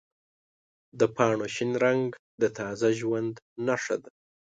د پاڼو شین رنګ د تازه ژوند نښه ده.